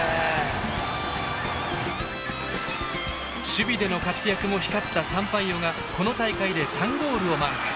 守備での活躍も光ったサンパイオがこの大会で３ゴールをマーク。